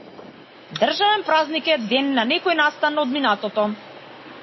Државен празник е, ден на некој настан од минатото.